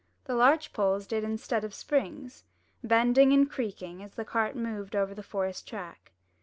The larch poles did instead of springs, bending and creaking, as the cart moved over the forest track.